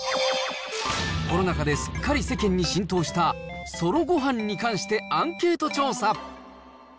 コロナ禍ですっかり世間に浸透したソロごはんに関してアンケート調査。